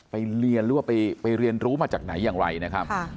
ไปเรียนรู้มาจากไหนอย่างไรนะครับ